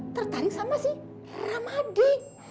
tertarik sama si ramadi